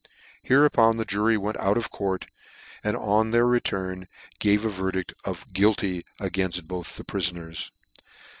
Hereupon the jury went out of court, and on their return, gave a verdict of <f guilty" againft both tlae prifoners.